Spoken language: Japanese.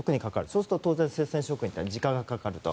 そうすると当然、生鮮食品は時間がかかると。